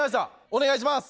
お願いします